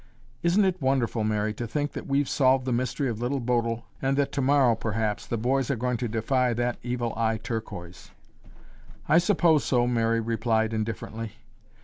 "Isn't it wonderful, Mary, to think that we've solved the mystery of Little Bodil and that tomorrow, perhaps, the boys are going to defy that Evil Eye Turquoise." "I suppose so," Mary replied indifferently.